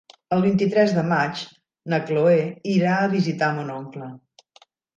El vint-i-tres de maig na Chloé irà a visitar mon oncle.